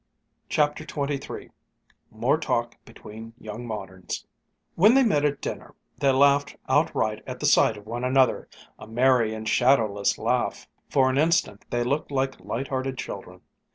CHAPTER XXIII MORE TALK BETWEEN YOUNG MODERNS When they met at dinner, they laughed outright at the sight of one another, a merry and shadowless laugh. For an instant they looked like light hearted children.